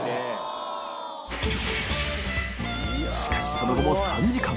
しかしその後も３時間）